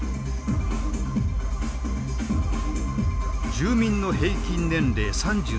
住民の平均年齢３３歳。